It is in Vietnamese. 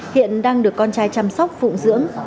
hiện đang được con trai chăm sóc phụng dưỡng